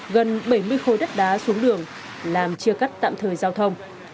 gần bảy mươi khối đất đá xuống đường làm chia cắt tạm thời giao thông